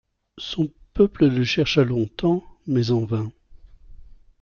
Son peuple le chercha longtemps, mais en vain.